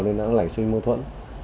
nên đã lảy sinh mô thuẫn